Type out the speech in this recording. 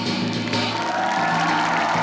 วันนี้ข้ามาขอยืมของสำคัญ